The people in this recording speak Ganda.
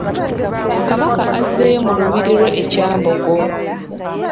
Kabaka azzeeyo mu lubiiri lwe e Kyambogo.